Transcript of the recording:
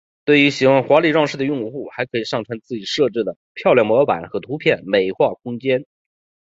对于喜欢华丽装饰的用户还可以上传自己设计的漂亮模板和图片美化空间。